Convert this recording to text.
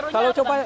seru juga bang